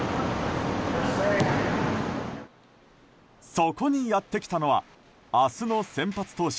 そこにやってきたのは明日の先発投手